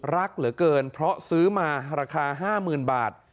รักเหลือเกินเพราะซื้อมาราคา๕๐๐๐บาท